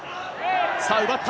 さあ、奪った。